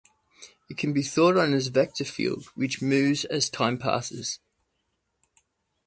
It can be thought of as a vector field which moves as time passes.